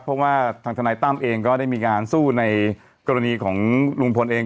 เพราะว่าทางทนายตั้มเองก็ได้มีการสู้ในกรณีของลุงพลเอง